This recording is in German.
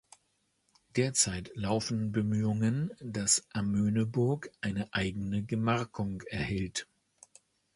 Derzeit laufen Bemühungen, dass Amöneburg eine eigene Gemarkung erhält.